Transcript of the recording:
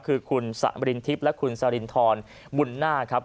คือคุณสมรินทิพย์และคุณสรินทรบุญหน้าครับ